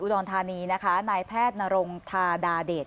รธานีนะคะนายแพทย์นรงธาดาเดช